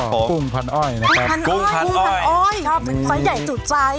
ครับผมกุ้งพันอ้อยนะครับกุ้งพันอ้อยครับมันซ้ายใหญ่สุดใจ